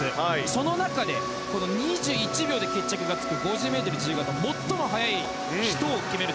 その中で２１秒で決着がつく５０ｍ自由形最も速い人を決める